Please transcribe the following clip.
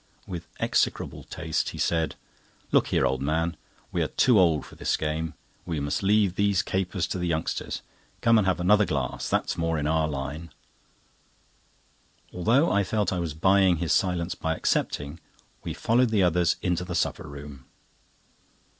With execrable taste, he said: "Look here, old man, we are too old for this game. We must leave these capers to the youngsters. Come and have another glass, that is more in our line." Although I felt I was buying his silence by accepting, we followed the others into the supper room.